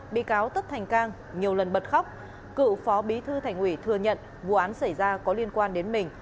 bị cáo tất thành cang nhiều lần bật khóc cựu phó bí thư thành ủy thừa nhận vụ án xảy ra có liên quan đến mình